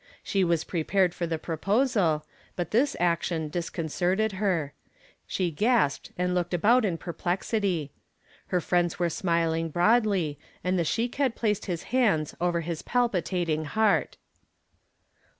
She was prepared for the proposal, but this action disconcerted her; she gasped and looked about in perplexity. Her friends were smiling broadly and the sheik had placed his hands over his palpitating heart.